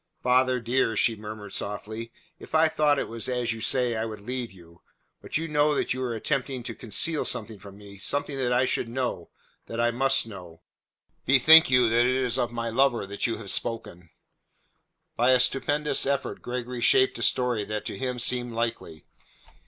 "Father, dear," she murmured softly, "if I thought it was as you say, I would leave you. But you know that you are but attempting to conceal something from me something that I should know, that I must know. Bethink you that it is of my lover that you have spoken." By a stupendous effort Gregory shaped a story that to him seemed likely.